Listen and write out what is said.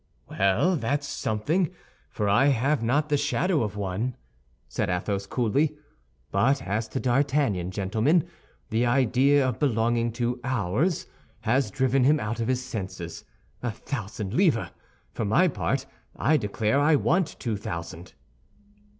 "Well, that's something, for I have not the shadow of one," said Athos coolly; "but as to D'Artagnan, gentlemen, the idea of belonging to ours has driven him out of his senses. A thousand livres! For my part, I declare I want two thousand."